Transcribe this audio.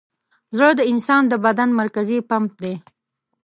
زړه د انسان د بدن مرکزي پمپ دی.